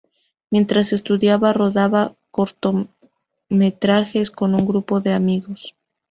Mientras estudiaba rodaba cortometrajes con un grupo de amigos.